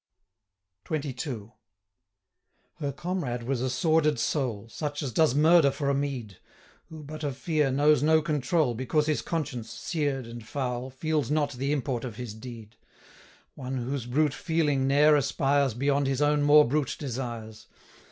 XXII. Her comrade was a sordid soul, 415 Such as does murder for a meed; Who, but of fear, knows no control, Because his conscience, sear'd and foul, Feels not the import of his deed; One, whose brute feeling ne'er aspires 420 Beyond his own more brute desires.